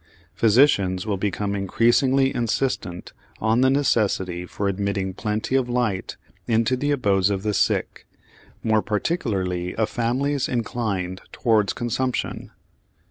Physicians will become increasingly insistent on the necessity for admitting plenty of light into the abodes of the sick, more particularly of families inclined towards consumption.